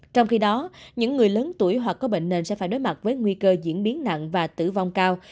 trong khi đó những người lớn tuổi hoặc có bệnh nền sẽ phải đối mặt với nguy cơ diễn biến nặng và tử vong cao